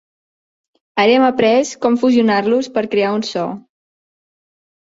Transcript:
Ara hem après com fusionar-los per crear un so.